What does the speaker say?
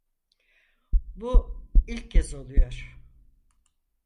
Bu ilk kez oluyor.